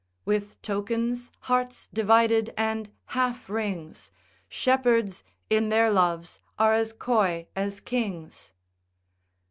With tokens, hearts divided, and half rings, Shepherds in their loves are as coy as kings.